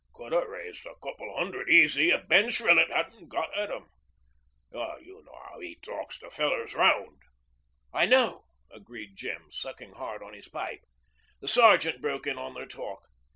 Could ha' raised a couple hundred easy if Ben Shrillett 'adn't got at 'em. You know 'ow 'e talks the fellers round.' 'I know,' agreed Jem, sucking hard at his pipe. The Sergeant broke in on their talk.